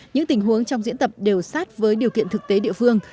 những tình huống trong diễn tập đều sát với điều kiện thực tế địa phương